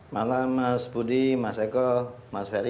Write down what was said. malam mas budi mas eko mas ferry